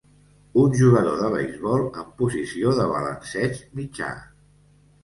un jugador de beisbol en posició de balanceig mitjà.